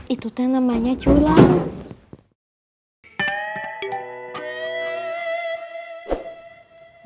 itu teh namanya culang